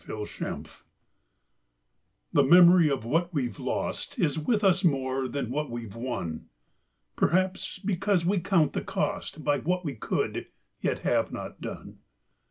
MICROCOSM The memory of what we've lost Is with us more than what we've won; Perhaps because we count the cost By what we could, yet have not done.